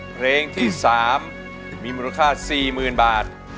เพลงที่๓มีมูลค่า๔๐๐๐บาท